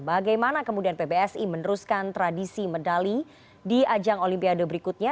bagaimana kemudian pbsi meneruskan tradisi medali di ajang olimpiade berikutnya